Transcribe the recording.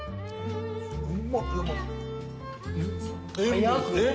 うまっ。